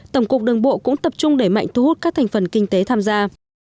tổng cục đường bộ cũng tập trung đẩy mạnh thu hút các thành phần kinh tế tham gia